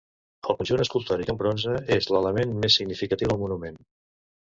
El conjunt escultòric en bronze és l'element més significatiu del monument.